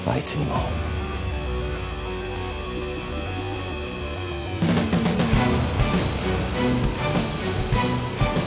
うん。